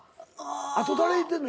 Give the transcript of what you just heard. あと誰いてんの？